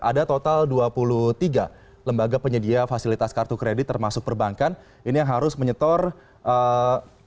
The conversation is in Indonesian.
ada total dua puluh tiga lembaga penyedia fasilitas kartu kredit termasuk perbankan ini yang harus menyetor